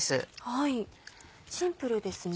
はいシンプルですね。